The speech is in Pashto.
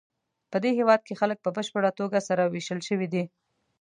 پدې هېواد کې خلک په بشپړه توګه سره وېشل شوي دي.